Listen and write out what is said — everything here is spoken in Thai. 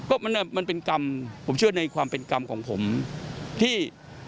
ก็มันเป็นกรรมผมเชื่อในความเป็นกรรมของผมที่